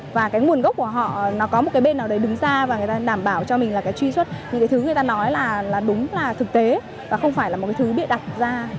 và cái nguồn gốc của họ nó có một cái bên nào đấy đứng ra và người ta đảm bảo cho mình là cái truy xuất những cái thứ người ta nói là đúng là thực tế và không phải là một cái thứ bị đặt ra